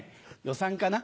予算かな？